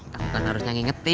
takut kan harusnya ngingetin